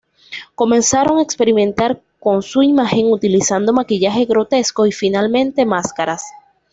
Comenzaron a experimentar con su imagen utilizando maquillaje grotesco, y, finalmente, máscaras.